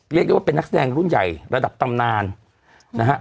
เรียกได้ว่าเป็นนักแสดงรุ่นใหญ่ระดับตำนานนะฮะ